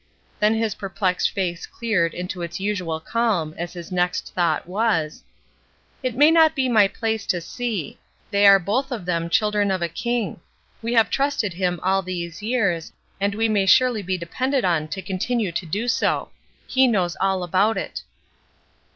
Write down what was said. Then his perplexed face cleared into its usual cahn as his next thought was :— 350 ESTER RIED'S NAMESAKE "It may not be my place to 'see'; they are both of them children of a King; we have trusted Him all these years, and we may surely be depended on to continue to do so. He knows all about it."